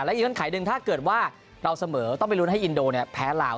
เงื่อนไขหนึ่งถ้าเกิดว่าเราเสมอต้องไปลุ้นให้อินโดเนี่ยแพ้ลาว